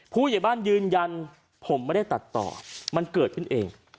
ผู้ใหญ่บ้านยืนยันผมไม่ได้ตัดต่อมันเกิดขึ้นเอง